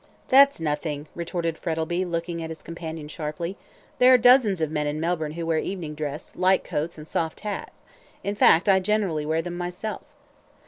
"That's nothing," retorted Frettlby, looking at his companion sharply. "There are dozens of men in Melbourne who wear evening dress, light coats, and soft hats in fact, I generally wear them myself."